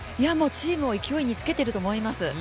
チームを勢いにつけていると思います。